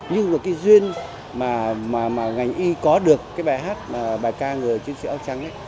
nhưng mà cái duyên mà ngành y có được cái bài hát bài ca người chiến sĩ áo trắng ấy